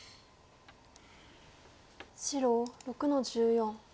白６の十四。